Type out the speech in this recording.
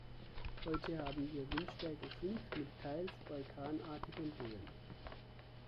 Heute haben wir Windstärke fünf mit teils orkanartigen Böen.